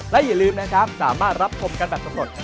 และอย่าลืมนะครับสามารถรับชมกันแบบสำรวจ